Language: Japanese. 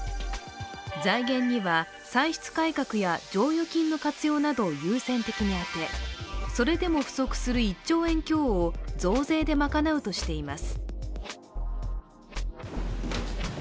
財源には歳出改革や剰余金の活用などを優先的に充て、それでも不足する１兆円強を増税で賄うとしています。